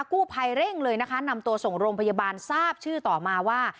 กู้ภัยเร่งเลยนะคะนำตัวส่งโรงพยาบาลทราบชื่อต่อมาว่า